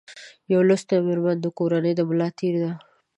یو لوستي مېرمن د کورنۍ د ملا تېر ده